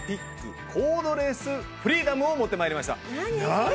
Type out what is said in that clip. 何？